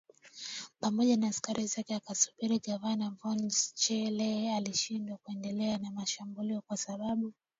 pamoja na askari zake akasubiri Gavana von Schele alishindwa kuendelea na mashambulio kwa sababu